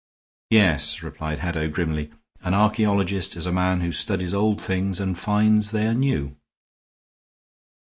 "Yes," replied Haddow, grimly. "An archaeologist is a man who studies old things and finds they are new."